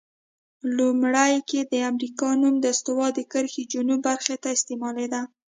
لومړیو کې د امریکا نوم د استوا د کرښې جنوب برخې ته استعمالیده.